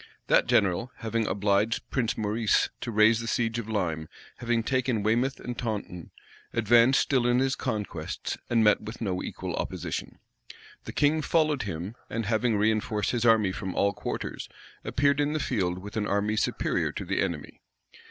That general, having obliged Prince Maurice to raise the siege of Lyme, having taken Weymouth and Taunton, advanced still in his conquests, and met with no equal opposition. The king followed him, and having reënforced his army from all quarters, appeared in the field with an army superior to the enemy.